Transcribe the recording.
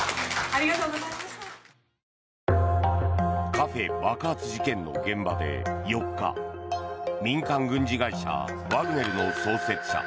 カフェ爆発事件の現場で４日民間軍事会社ワグネルの創設者